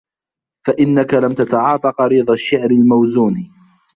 فَإِنَّك إنْ لَمْ تَتَعَاطَ قَرِيضَ الشِّعْرِ الْمَوْزُونِ